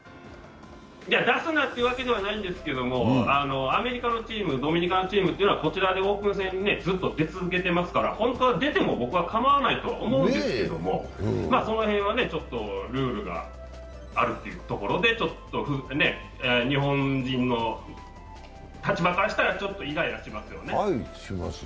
出すなというわけではないんですけど、アメリカのチーム、ドミニカのチームはこちらでオープン戦ずっと出続けていますから本当は出ても僕は構わないと思うんですけど、その辺はルールがあるというところで、日本人の立場からしたら、ちょっとイライラしますよね。